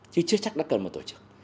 chứ chưa chắc đã cần một tổ chức